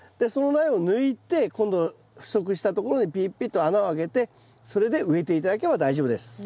その苗を抜いて今度不足したところにピッピッと穴を開けてそれで植えて頂ければ大丈夫です。